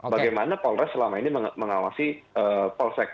bagaimana polres selama ini mengawasi polsek